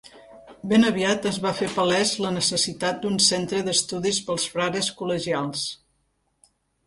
Ben aviat es va fer palès la necessitat d'un centre d'estudis pels frares col·legials.